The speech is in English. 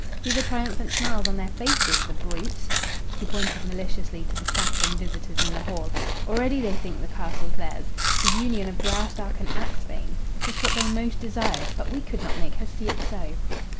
See the triumphant smiles on their faces the brutes!" She pointed maliciously to the chattering visitors in the hall. "Already they think the castle theirs. The union of Graustark and Axphain! Just what they most desired, but we could not make her see it so."